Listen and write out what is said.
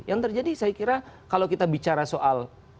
yang terjadi saya kira kalau kita bicara soal